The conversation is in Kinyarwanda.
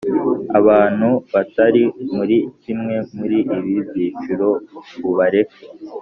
Abantu batari muri kimwe muri ibi byiciro ubareke